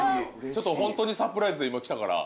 ちょっとほんとにサプライズで今来たから。